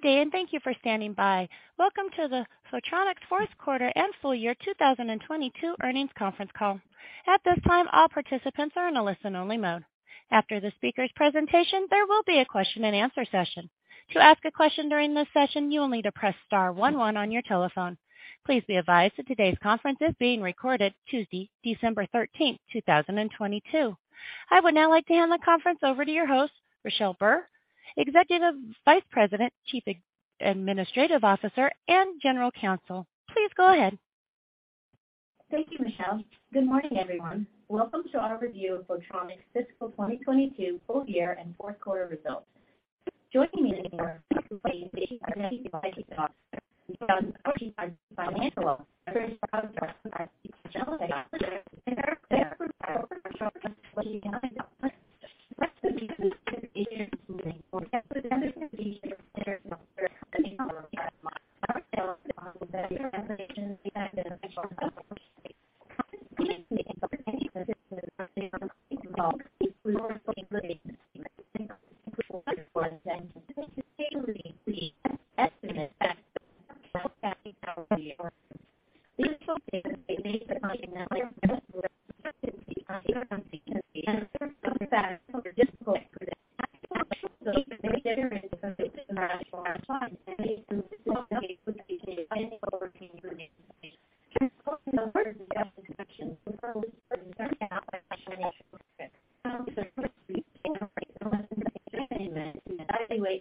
Good day. Thank you for standing by. Welcome to the Photronics fourth quarter and full year 2022 earnings conference call. At this time, all participants are in a listen-only mode. After the speaker's presentation, there will be a question-and-answer session. To ask a question during this session, you will need to press star one one on your telephone. Please be advised that today's conference is being recorded Tuesday, December 13th, 2022. I would now like to hand the conference over to your host, Richelle Burr, Executive Vice President, Chief Administrative Officer, and General Counsel. Please go ahead. Thank you, Michelle. Good morning, everyone. Welcome to our review of Photronics fiscal 2022 full year and fourth quarter results. Joining me today are financial officers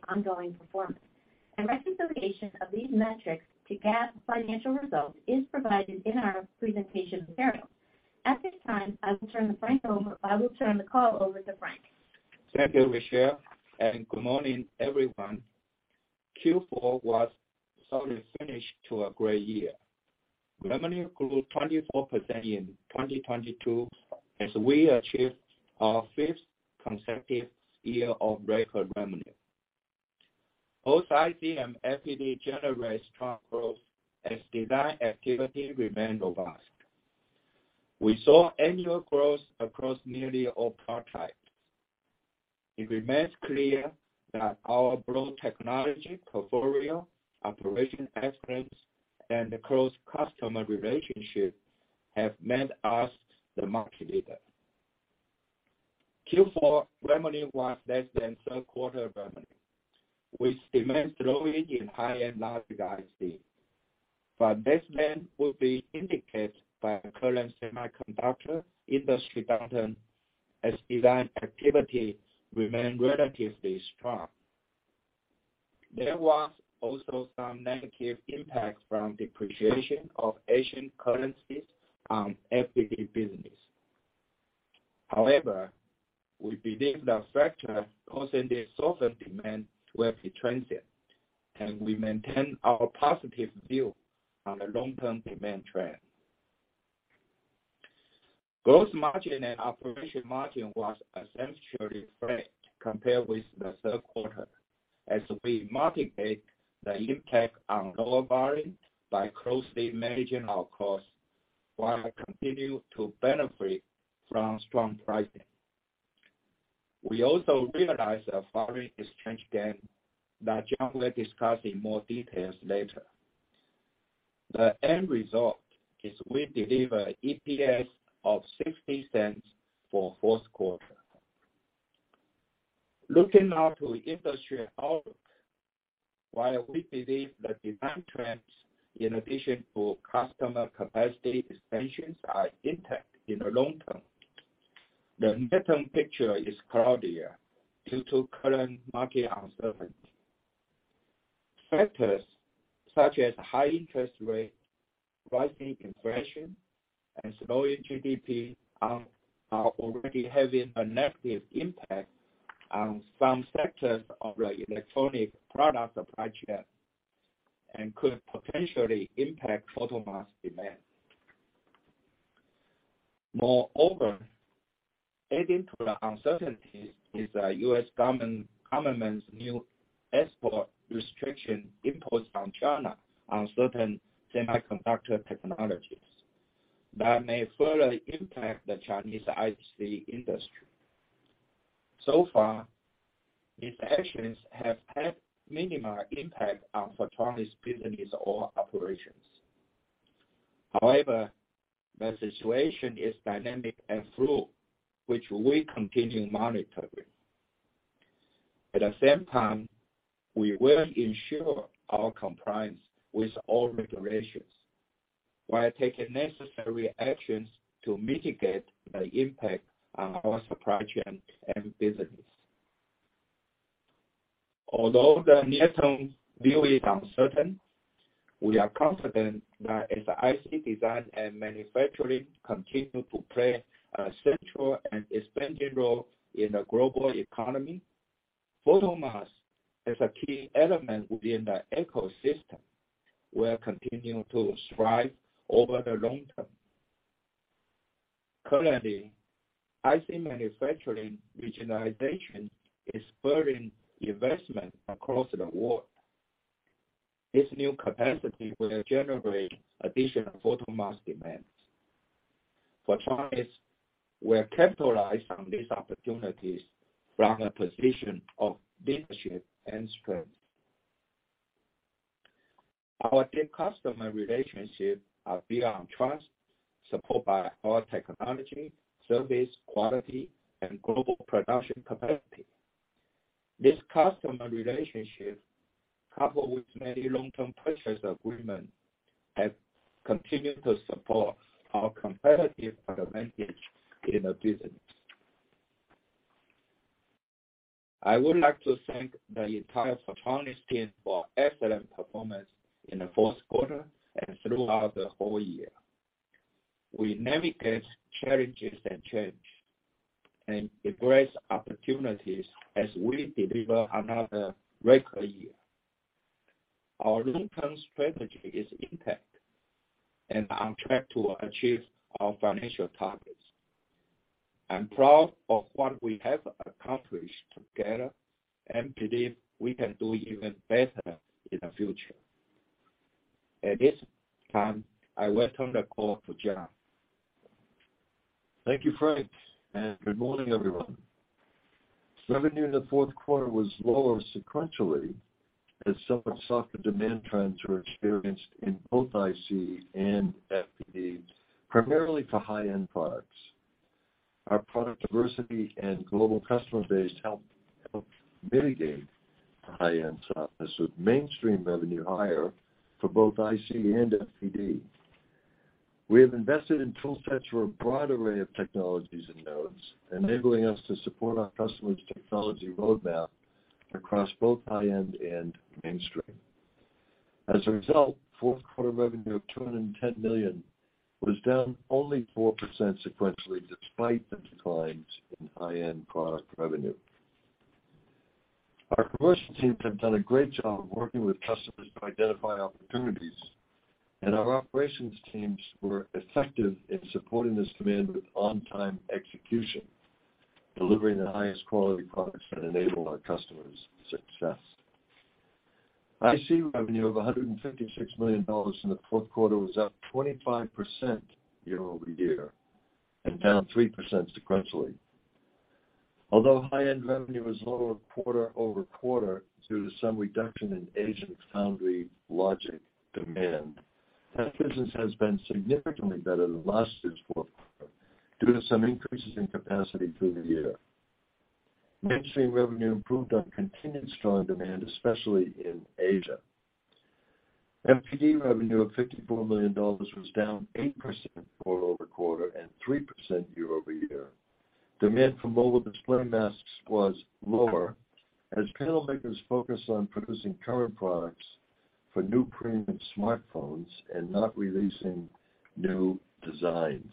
ongoing performance. A reconciliation of these metrics to GAAP financial results is provided in our presentation material. At this time, I will turn the call over to Frank. Thank you, Richelle. Good morning, everyone. Q4 was sort of finished to a great year. Revenue grew 24% in 2022 as we achieved our fifth consecutive year of record revenue. Both IC and FPD generate strong growth as design activity remained robust. We saw annual growth across nearly all product types. It remains clear that our broad technology portfolio, operation excellence, and the close customer relationship have made us the market leader. Q4 revenue was less than third quarter revenue, with demand slowing in high-end logic IC. This demand will be indicated by the current semiconductor industry downturn as design activity remained relatively strong. There was also some negative impact from depreciation of Asian currencies on FPD business. However, we believe the factors causing the softer demand will be transient, and we maintain our positive view on the long-term demand trend. Gross margin and operation margin was essentially flat compared with the third quarter as we mitigate the impact on lower volume by closely managing our costs, while continue to benefit from strong pricing. We also realized a foreign exchange gain that John will discuss in more details later. The end result is we deliver EPS of $0.60 for fourth quarter. Looking now to industry outlook. While we believe the demand trends in addition to customer capacity expansions are intact in the long-term, the midterm picture is cloudier due to current market uncertainty. Factors such as high interest rate, rising inflation, and slowing GDP are already having a negative impact on some sectors of the electronic product supply chain and could potentially impact photomask demand. Moreover, adding to the uncertainties is the U.S. government's new export restriction imposed on China on certain semiconductor technologies that may further impact the Chinese IC industry. So far, these actions have had minimal impact on Photronics' business or operations. However, the situation is dynamic and fluid, which we continue monitoring. At the same time, we will ensure our compliance with all regulations while taking necessary actions to mitigate the impact on our supply chain and business. Although the near-term view is uncertain, we are confident that as IC design and manufacturing continue to play a central and expanding role in the global economy, photomask as a key element within the ecosystem will continue to strive over the long-term. Currently, IC manufacturing regionalization is spurring investment across the world. This new capacity will generate additional photomask demand. For choice, we're capitalized on these opportunities from a position of leadership and strength. Our deep customer relationships are built on trust, supported by our technology, service, quality, and global production capacity. This customer relationship, coupled with many long-term purchase agreement, have continued to support our competitive advantage in the business. I would like to thank the entire Photronics team for excellent performance in the fourth quarter and throughout the whole year. We navigate challenges and change and embrace opportunities as we deliver another record year. Our long-term strategy is intact and on track to achieve our financial targets. I'm proud of what we have accomplished together and believe we can do even better in the future. At this time, I will turn the call to John. Thank you, Frank. Good morning, everyone. Revenue in the fourth quarter was lower sequentially as some softer demand trends were experienced in both IC and FPD, primarily for high-end products. Our product diversity and global customer base helped mitigate the high-end softness, with mainstream revenue higher for both IC and FPD. We have invested in tool sets for a broad array of technologies and nodes, enabling us to support our customers' technology roadmap across both high-end and mainstream. As a result, fourth quarter revenue of $210 million was down only 4% sequentially, despite the declines in high-end product revenue. Our commercial teams have done a great job working with customers to identify opportunities. Our operations teams were effective in supporting this demand with on-time execution, delivering the highest quality products that enable our customers' success. IC revenue of $156 million in the fourth quarter was up 25% year-over-year and down 3% sequentially. Although high-end revenue was lower quarter-over-quarter due to some reduction in Asian foundry logic demand, that business has been significantly better than last year's fourth quarter due to some increases in capacity through the year. mainstream revenue improved on continued strong demand, especially in Asia. FPD revenue of $54 million was down 8% quarter-over-quarter and 3% year-over-year. Demand for mobile display masks was lower as panel makers focused on producing current products for new premium smartphones and not releasing new designs.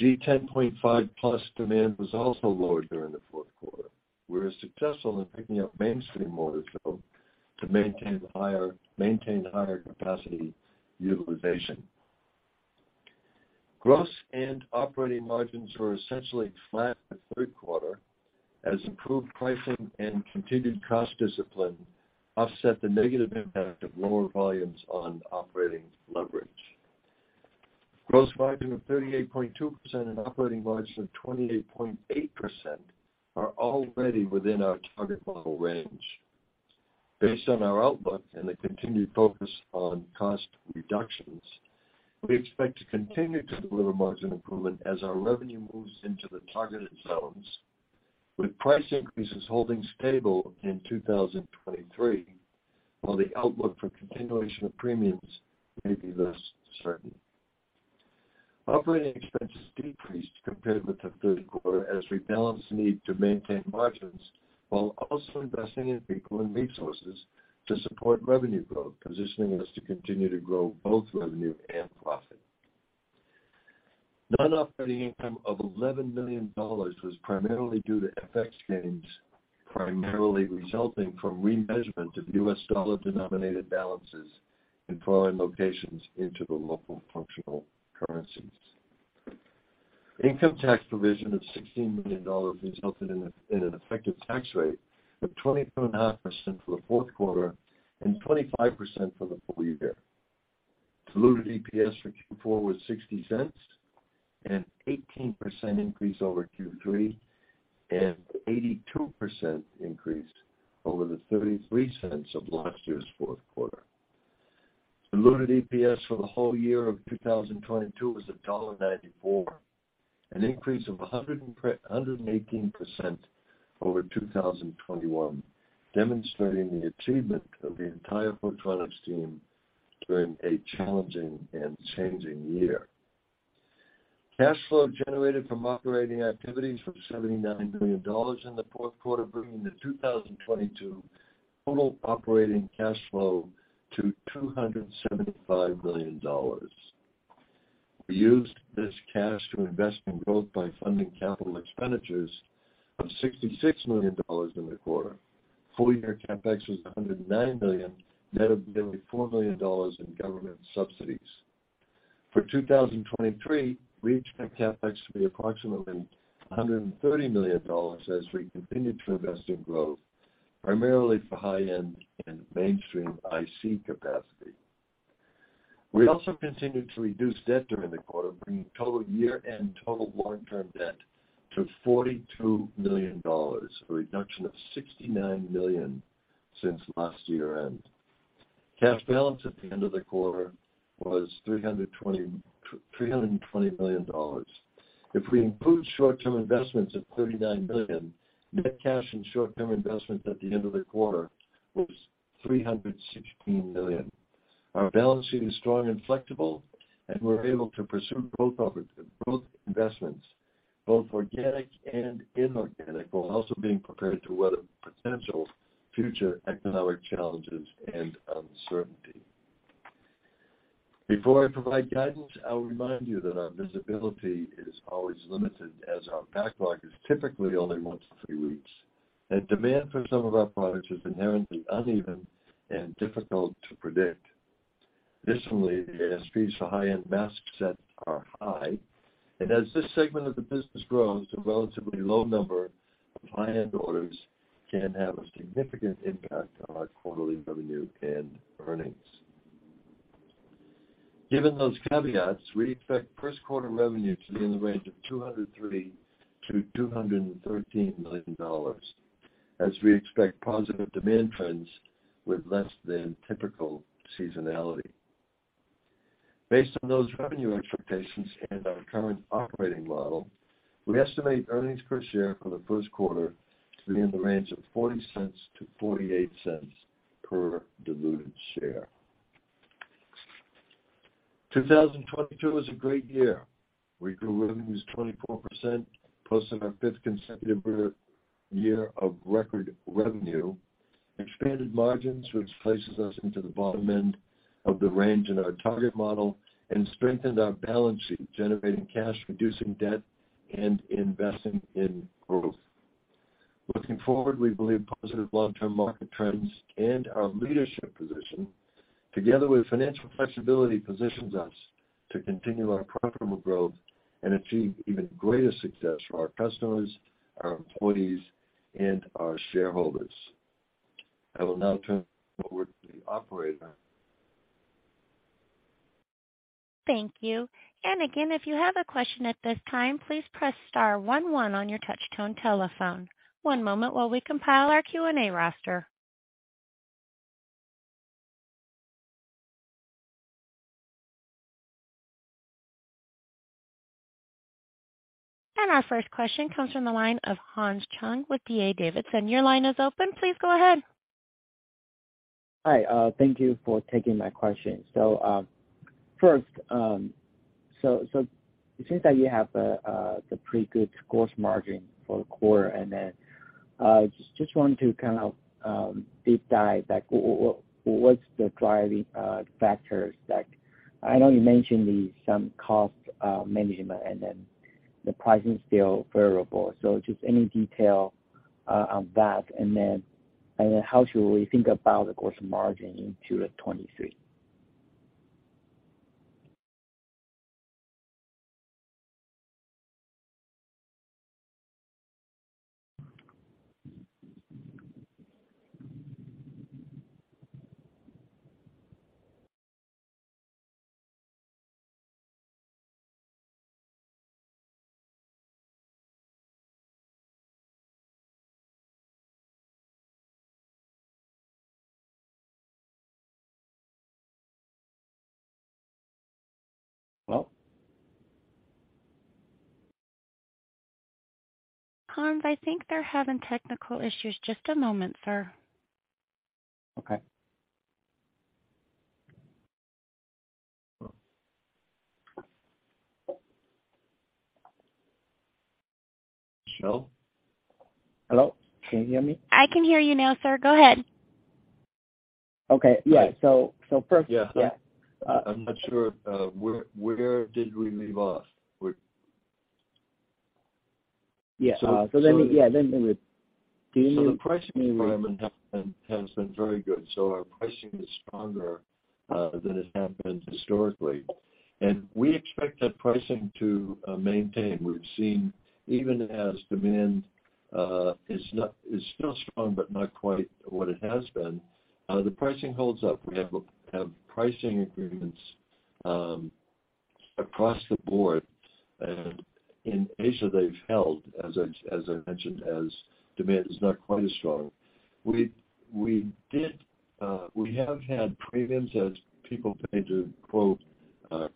G10.5+ demand was also lower during the fourth quarter. We were successful in picking up mainstream motor fill to maintain higher capacity utilization. Gross and operating margins were essentially flat the third quarter as improved pricing and continued cost discipline offset the negative impact of lower volumes on operating leverage. Gross margin of 38.2% and operating margin of 28.8% are already within our target model range. Based on our outlook and the continued focus on cost reductions, we expect to continue to deliver margin improvement as our revenue moves into the targeted zones, with price increases holding stable in 2023, while the outlook for continuation of premiums may be less certain. Operating expenses decreased compared with the third quarter as we balance the need to maintain margins while also investing in people and resources to support revenue growth, positioning us to continue to grow both revenue and profit. Non-operating income of $11 million was primarily due to FX gains, primarily resulting from remeasurement of US dollar-denominated balances in foreign locations into the local functional currencies. Income tax provision of $16 million resulted in an effective tax rate of 24.5% for the fourth quarter and 25% for the full year. Diluted EPS for Q4 was $0.60, an 18% increase over Q3 and 82% increase over the $0.33 of last year's fourth quarter. Diluted EPS for the whole year of 2022 was $1.94, an increase of 118% over 2021, demonstrating the achievement of the entire Photronics team during a challenging and changing year. Cash flow generated from operating activities was $79 million in the fourth quarter, bringing the 2022 total operating cash flow to $275 million. We used this cash to invest in growth by funding capital expenditures of $66 million in the quarter. Full year CapEx was $109 million, net of nearly $4 million in government subsidies. For 2023, we expect CapEx to be approximately $130 million as we continue to invest in growth. Primarily for high-end and mainstream IC capacity. We also continued to reduce debt during the quarter, bringing total year-end total long-term debt to $42 million, a reduction of $69 million since last year-end. Cash balance at the end of the quarter was $320 million. If we include short-term investments of $39 million, net cash and short-term investments at the end of the quarter was $316 million. Our balance sheet is strong and flexible. We're able to pursue growth investments, both organic and inorganic, while also being prepared to weather potential future economic challenges and uncertainty. Before I provide guidance, I'll remind you that our visibility is always limited, as our backlog is typically only one to three weeks, and demand for some of our products is inherently uneven and difficult to predict. The ASPs for high-end mask set are high, and as this segment of the business grows, the relatively low number of high-end orders can have a significant impact on our quarterly revenue and earnings. Given those caveats, we expect first quarter revenue to be in the range of $203 million-$213 million, as we expect positive demand trends with less than typical seasonality. Based on those revenue expectations and our current operating model, we estimate earnings per share for the first quarter to be in the range of $0.40-$0.48 per diluted share. 2022 was a great year. We grew revenues 24%, plus in our fifth consecutive year of record revenue, expanded margins, which places us into the bottom end of the range in our target model, and strengthened our balance sheet, generating cash, reducing debt, and investing in growth. Looking forward, we believe positive long-term market trends and our leadership position, together with financial flexibility, positions us to continue our profitable growth and achieve even greater success for our customers, our employees, and our shareholders. I will now turn over to the operator. Thank you. Again, if you have a question at this time, please press star one one on your touch tone telephone. One moment while we compile our Q&A roster. Our first question comes from the line of Hans Chung with D.A. Davidson. Your line is open. Please go ahead. Hi, thank you for taking my question. First, it seems that you have the pretty good gross margin for the quarter. Just wanted to kind of deep dive, like what's the driving factors that... I know you mentioned some cost management and the pricing is still variable, so just any detail on that. And then how should we think about the gross margin into 2023? Hello? Hans, I think they're having technical issues. Just a moment, sir. Okay. Michelle? Hello? Can you hear me? I can hear you now, sir. Go ahead. Okay. Yeah. Yeah. Yeah. I'm not sure where did we leave off? Yeah. Let me- So- Yeah, let me... Do you mean- The pricing environment has been very good, so our pricing is stronger than has happened historically. We expect that pricing to maintain. We've seen even as demand is still strong but not quite what it has been, the pricing holds up. We have pricing agreements across the board. In Asia, they've held, as I mentioned, as demand is not quite as strong. We did, we have had premiums as people pay to, quote,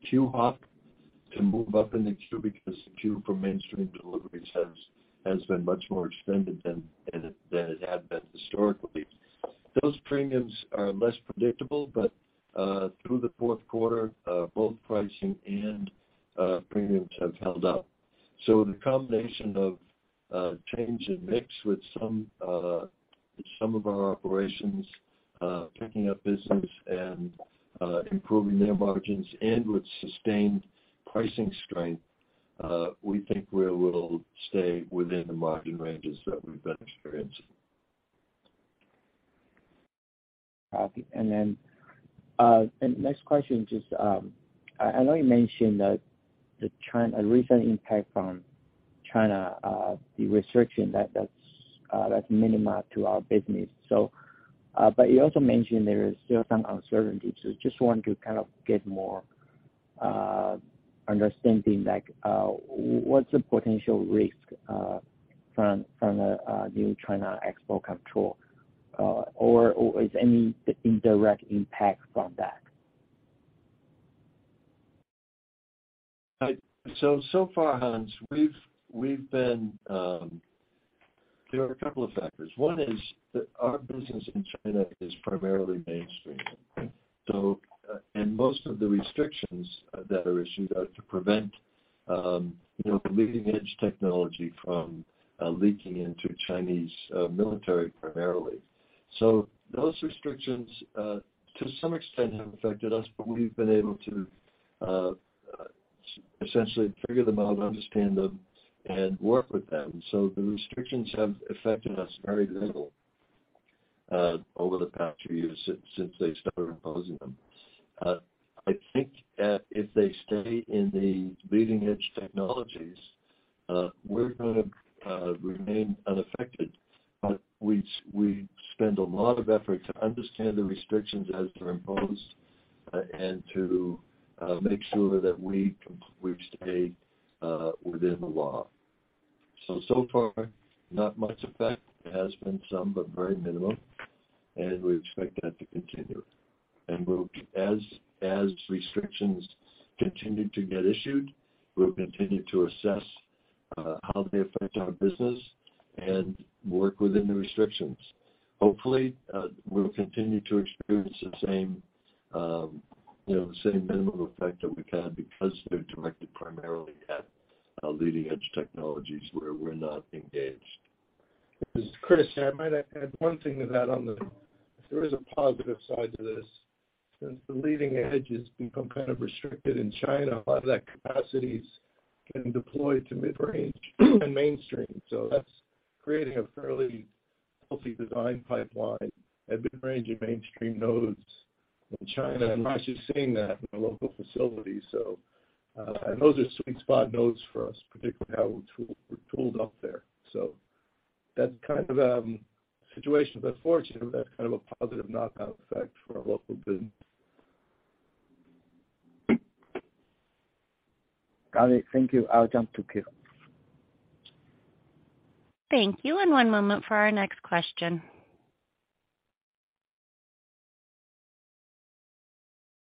queue hop to move up in the queue because the queue for mainstream deliveries has been much more extended than it had been historically. Those premiums are less predictable, but through the fourth quarter, both pricing and premiums have held up. The combination of change in mix with some of our operations picking up business and improving their margins and with sustained pricing strength, we think we'll stay within the margin ranges that we've been experiencing. Okay. Next question just, I know you mentioned that the China, recent impact from China, the restriction that's minimal to our business. You also mentioned there is still some uncertainty. Just want to kind of get more, understanding like, what's the potential risk, from the, new China export control, or is any indirect impact from that? So far, Hans, we've been, there are a couple of factors. One is that our business in China is primarily mainstream. Most of the restrictions that are issued are to prevent, you know, leading edge technology from leaking into Chinese military primarily. Those restrictions, to some extent have affected us, but we've been able to essentially figure them out, understand them, and work with them. The restrictions have affected us very little over the past few years since they started imposing them. I think, if they study in the leading edge technologies, we're gonna remain unaffected. We spend a lot of effort to understand the restrictions as they're imposed, and to make sure that we stay within the law. So far, not much effect. There has been some, but very minimal, and we expect that to continue. As restrictions continue to get issued, we'll continue to assess how they affect our business and work within the restrictions. Hopefully, we'll continue to experience the same, you know, the same minimal effect that we can because they're directed primarily at leading edge technologies where we're not engaged. This is Chris. I might add one thing to that on the... There is a positive side to this. Since the leading edge has become kind of restricted in China, a lot of that capacities can deploy to mid-range and mainstream. That's creating a fairly healthy design pipeline at mid-range and mainstream nodes in China. Raj is seeing that in the local facility. Those are sweet spot nodes for us, particularly how we're tooled up there. That's kind of situation, but fortunately, that's kind of a positive knockout effect for our local business. Got it. Thank you. I'll jump to Keith. Thank you. One moment for our next question.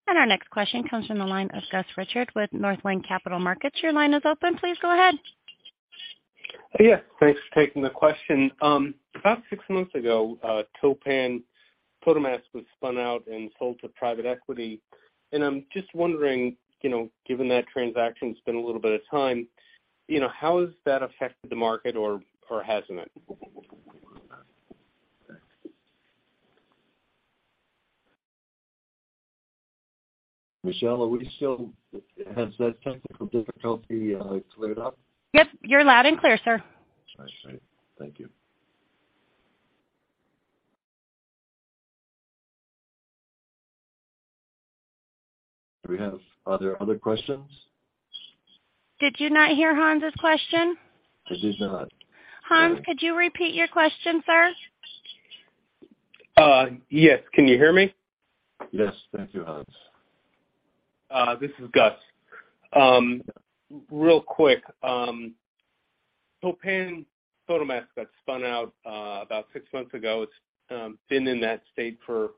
Our next question comes from the line of Gus Richard with Northland Capital Markets. Your line is open. Please go ahead. Yeah, thanks for taking the question. About six months ago, Toppan Photomask was spun out and sold to private equity. I'm just wondering, you know, given that transaction, it's been a little bit of time, you know, how has that affected the market or hasn't it? Michelle, Has that technical difficulty cleared up? Yes, you're loud and clear, sir. That's right. Thank you. Do we have other questions? Did you not hear Hans' question? I did not. Hans, could you repeat your question, sir? Yes. Can you hear me? Yes. Thank you, Hans. This is Gus. Real quick, Toppan Photomask got spun out about six months ago. It's been in that state for a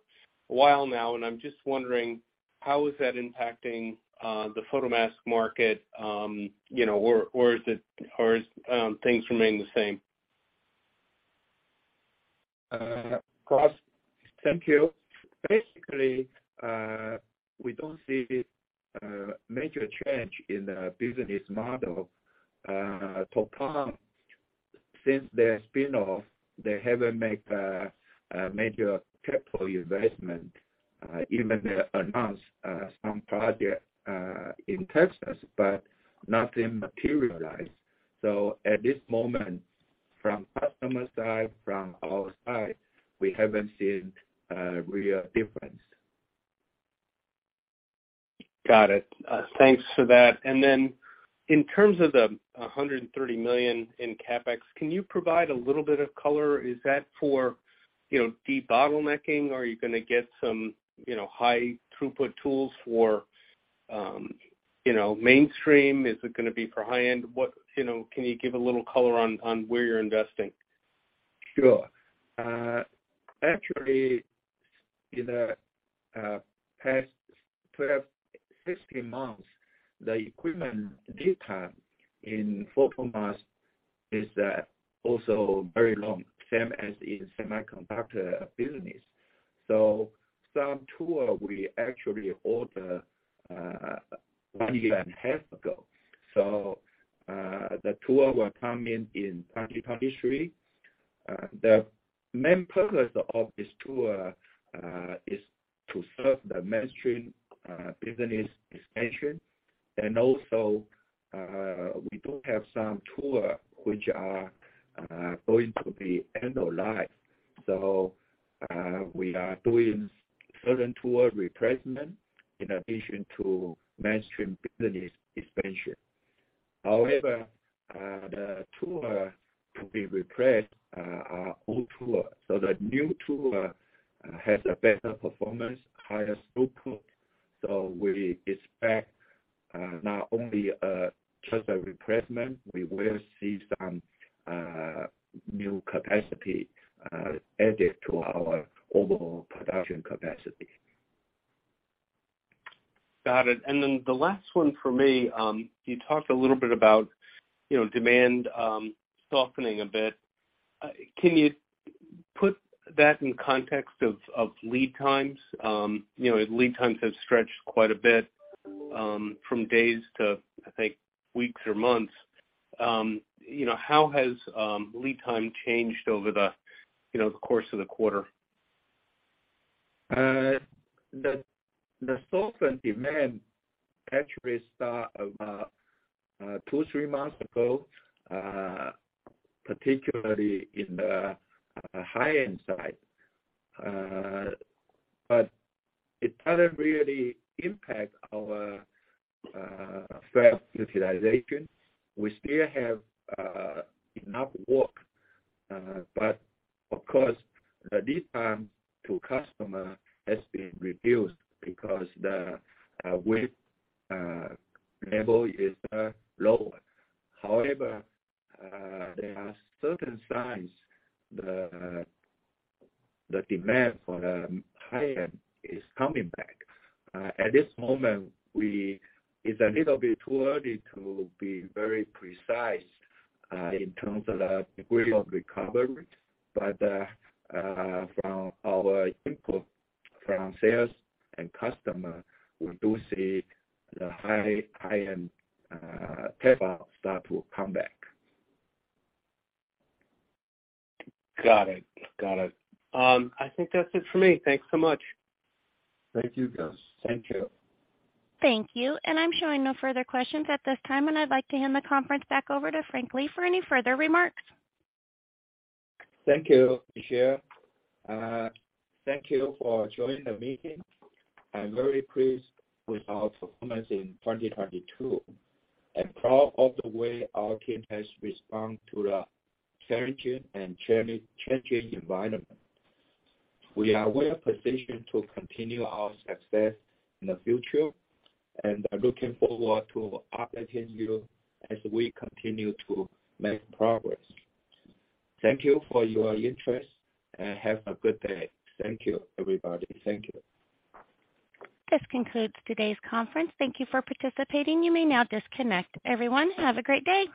while now. I'm just wondering how is that impacting the photomask market? You know, or is it or is things remain the same? Gus, thank you. Basically, we don't see major change in the business model. Toppan, since their spin-off, they haven't made a major capital investment. Even they announced some project in Texas, but nothing materialized. At this moment, from customer side, from our side, we haven't seen a real difference. Got it. Thanks for that. In terms of the $130 million in CapEx, can you provide a little bit of color? Is that for, you know, debottlenecking? Are you gonna get some, you know, high throughput tools for, you know, mainstream? Is it gonna be for high end? You know, can you give a little color on where you're investing? Sure. actually, in the past 12, 16 months, the equipment lead time in photomask is also very long, same as in semiconductor business. Some tool we actually order one year and a half ago. The tool will come in in 2023. The main purpose of this tool is to serve the mainstream business expansion. We do have some tool which are going to be end of life. We are doing certain tool replacement in addition to mainstream business expansion. The tool to be replaced are old tool. The new tool has a better performance, higher throughput. We expect not only just a replacement, we will see some new capacity added to our overall production capacity. Got it. The last one for me, you talked a little bit about, you know, demand, softening a bit. Can you put that in context of lead times? You know, lead times have stretched quite a bit, from days to, I think, weeks or months. You know, how has lead time changed over the, you know, the course of the quarter? The softened demand actually start about two, three months ago, particularly in the high-end side. It doesn't really impact our fab utilization. We still have enough work. Of course, the lead time to customer has been reduced because the wait level is lower. However, there are certain signs the demand for the high-end is coming back. At this moment, it's a little bit too early to be very precise in terms of the degree of recovery. From our input from sales and customer, we do see the high-end fab start to come back. Got it. Got it. I think that's it for me. Thanks so much. Thank you, Gus. Thank you. Thank you. I'm showing no further questions at this time, I'd like to hand the conference back over to Frank Lee for any further remarks. Thank you, Michelle. Thank you for joining the meeting. I'm very pleased with our performance in 2022 and proud of the way our team has responded to the challenging and changing environment. We are well-positioned to continue our success in the future and are looking forward to updating you as we continue to make progress. Thank you for your interest, and have a good day. Thank you, everybody. Thank you. This concludes today's conference. Thank you for participating. You may now disconnect. Everyone, have a great day.